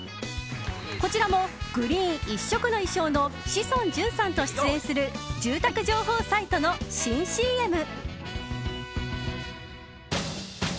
こちらもグリーン一色の衣装の志尊淳さんと出演する住宅情報サイトの新ＣＭ。